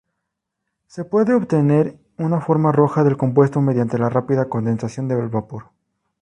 Se puede obtener una forma roja del compuesto mediante la rápida condensación del vapor.